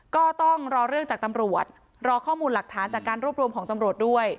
ก็ต้องรอเรื่องจากตำรวจรอข้อมูลหลักฐานจากการรวบรวมของตำรวจด้วย